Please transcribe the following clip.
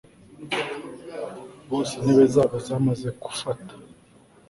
bose intebe zabo zamaze kufata